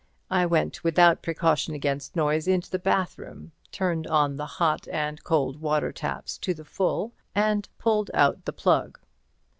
I went without precaution against noise into the bathroom, turned on the hot and cold water taps to the full and pulled out the plug.